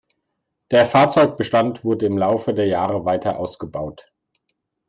Der Fahrzeugbestand wurde im Laufe der Jahre weiter ausgebaut.